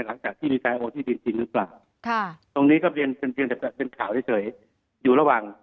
แล้วก็ได้ถึงแตักทีรึยัง